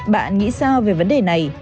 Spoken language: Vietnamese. bạn nghĩ sao về vấn đề này